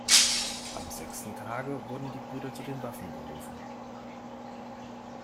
Am sechsten Tage wurden die Brüder zu den Waffen gerufen.